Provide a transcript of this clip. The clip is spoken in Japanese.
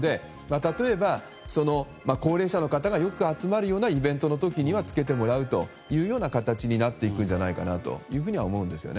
例えば、高齢者の方がよく集まるようなイベントの時には着けてもらうというような形になっていくんじゃないかと思うんですね。